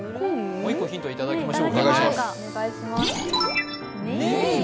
もう一個ヒントいただきましょうか。